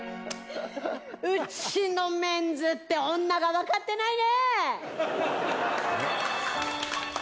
うちのメンズって女が分かってないね。